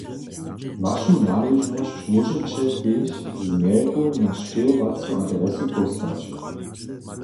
Wašu naležnosć móžeće tež z mejlku na sćěhowacu adresu pósłać.